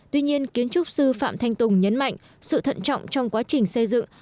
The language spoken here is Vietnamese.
tuy nhiên kiến trúc sư phạm thanh tùng nhấn mạnh sự thận trọng trong quá trình xây dựng